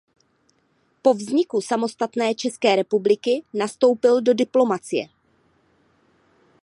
Po vzniku samostatné České republiky nastoupil do diplomacie.